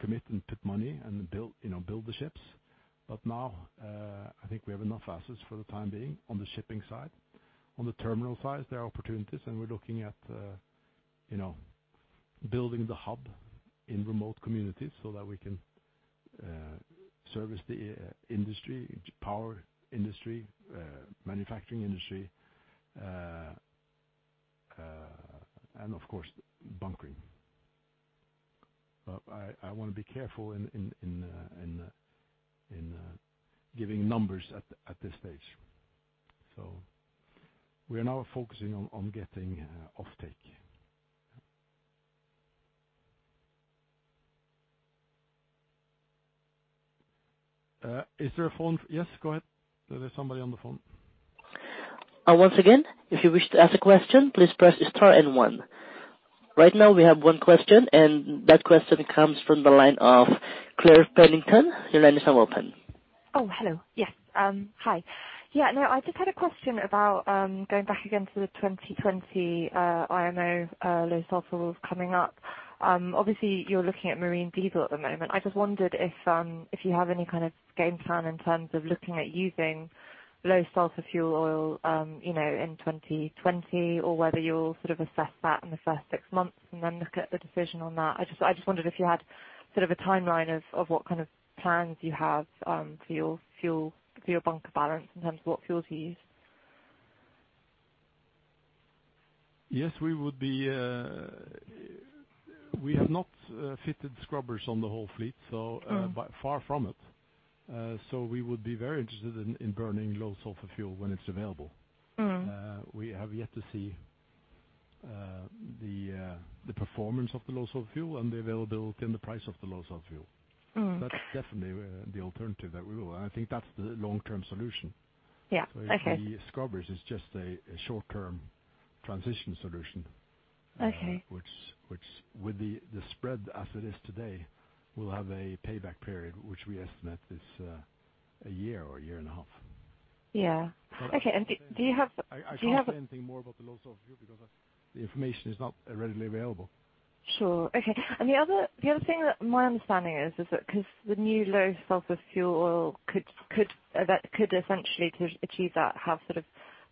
commit and put money and build the ships. Now I think we have enough assets for the time being on the shipping side. On the terminal side, there are opportunities, and we are looking at, you know, building the hub in remote communities so that we can service the industry, power industry, manufacturing industry and, of course, bunkering. I want to be careful in giving numbers at this stage. We are now focusing on getting off take. Is there a phone? Yes, go ahead, if there's somebody on the phone. Once again, if you wish to ask a question, please press star and one. Right now, we have one question, and that question comes from the line of Claire Pennington. Your line is now open. Hello. Yes. Hi. I just had a question about going back again to the 2020 IMO low-sulfur coming up. Obviously, you are looking at marine diesel at the moment. I just wondered if you have any kind of game plan in terms of looking at using low-sulfur fuel oil in 2020 or whether you will sort of assess that in the first six months and then look at the decision on that. I just wondered if you had sort of a timeline of what kind of plans you have for your bunker balance in terms of what fuel to use. Yes, we have not fitted scrubbers on the whole fleet, far from it. We would be very interested in burning low-sulfur fuel when it is available. We have yet to see the performance of the low-sulfur fuel and the availability and the price of the low-sulfur fuel. That is definitely the alternative that we will. I think that is the long-term solution. Yeah. Okay. The scrubbers is just a short-term transition solution. Okay. which with the spread as it is today, will have a payback period, which we estimate is a year or a year and a half. Yeah. Okay. Do you have? I can't say anything more about the low sulfur fuel because the information is not readily available. Sure, okay, and the other thing that, but my understanding is that because the new low sulfur fuel oil could essentially to achieve that, have sort of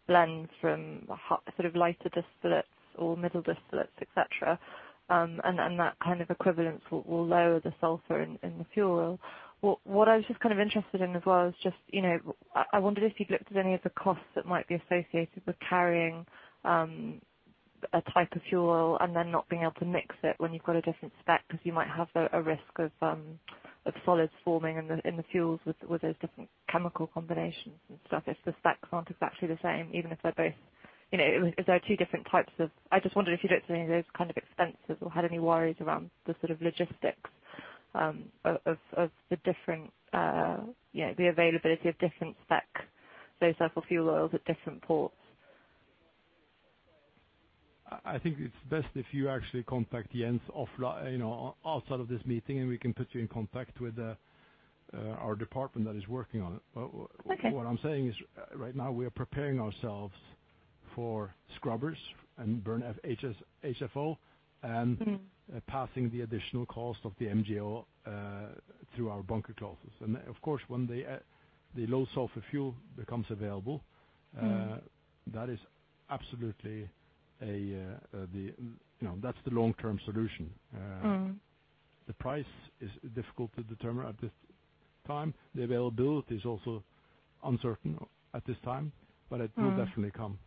blends from sort of lighter distillates or middle distillates, et cetera, and that kind of equivalence will lower the sulfur in the fuel oil. What I was just kind of interested in as well is just, I wondered if you'd looked at any of the costs that might be associated with carrying a type of fuel oil, and then not being able to mix it when you've got a different spec, because you might have a risk of solids forming in the fuels with those different chemical combinations and stuff if the specs aren't exactly the same, even if they're both, you know, I just wondered if you looked at any of those kind of expenses or had any worries around the sort of logistics of the availability of different spec low sulfur fuel oils at different ports. I think it's best if you actually contact Jens offline, you know, outside of this meeting, and we can put you in contact with our department that is working on it. Okay. What I'm saying is, right now we are preparing ourselves for scrubbers and burn HFO, and passing the additional cost of the MGO through our bunker clauses. Of course, when the low sulfur fuel becomes available, that's the long-term solution. The price is difficult to determine at this time. The availability is also uncertain at this time, but it will definitely come.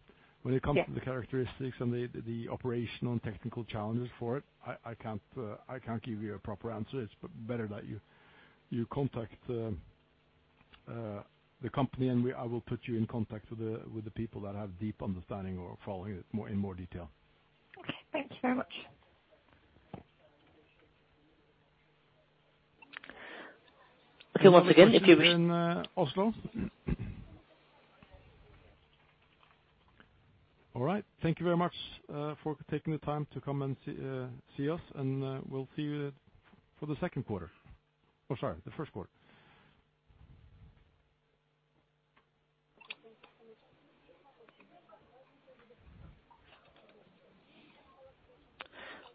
Yeah. When it comes to the characteristics and the operational and technical challenges for it, I can't give you a proper answer. It's better that you contact the company, and I will put you in contact with the people that have deep understanding or following it in more detail. Okay. Thank you very much. In Oslo. All right. Thank you very much for taking the time to come and see us and we'll see you for the second quarter. Oh, sorry, the first quarter.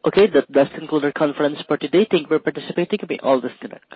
Okay. That concludes our conference for today. Thank you for participating. You may all disconnect.